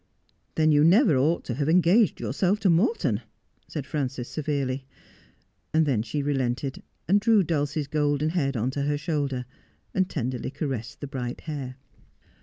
' Then you never ought to have engaged yourself to Morton,' said Frances severely. And then she relented, and drew Dulcie's golden head on to her shoulder, and tenderly caressed the bright hair.